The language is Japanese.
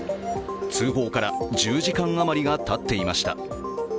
通報から１０時間余りがたっていました。